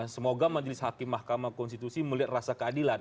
semoga majelis hakim mahkamah konstitusi melihat rasa keadilan